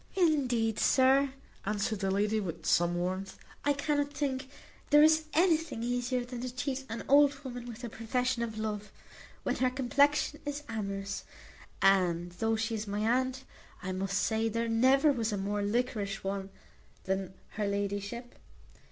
"Indeed, sir," answered the lady, with some warmth, "I cannot think there is anything easier than to cheat an old woman with a profession of love, when her complexion is amorous; and, though she is my aunt, I must say there never was a more liquorish one than her ladyship.